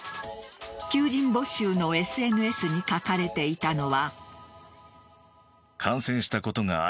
求人募集のＳＮＳに書かれていたのは。